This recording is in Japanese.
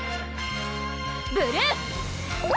ブルー！